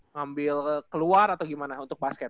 ngambil keluar atau gimana untuk basket